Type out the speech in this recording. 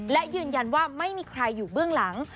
และยืนยันว่าไม่มีใครอยู่เบื้องหลัง